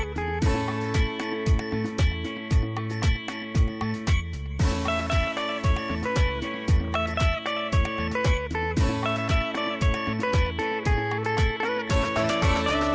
โปรดติดตามตอนต่อไป